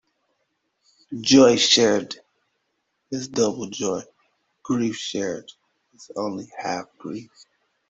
Joy shared is double joy; grief shared is only half grief.